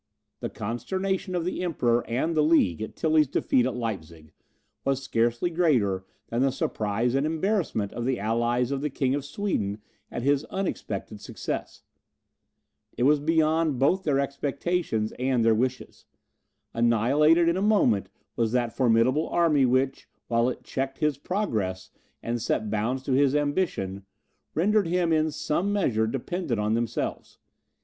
The consternation of the Emperor and the League at Tilly's defeat at Leipzig, was scarcely greater than the surprise and embarrassment of the allies of the King of Sweden at his unexpected success. It was beyond both their expectations and their wishes. Annihilated in a moment was that formidable army which, while it checked his progress and set bounds to his ambition, rendered him in some measure dependent on themselves.